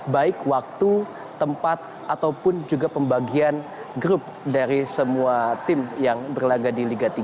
baik waktu tempat ataupun juga pembagian grup dari semua tim yang berlaga di liga tiga